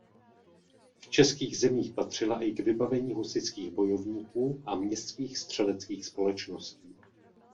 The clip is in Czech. V českých zemích patřila i k vybavení husitských bojovníků a městských střeleckých společností.